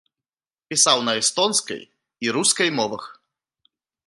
Пісаў на эстонскай і рускай мовах.